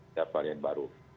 ada varian baru